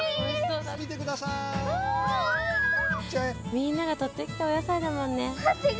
みんながとってきたおやさいだもんね。